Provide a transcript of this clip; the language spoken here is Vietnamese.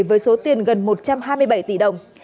với số tiền gần một trăm hai mươi bảy tỷ đồng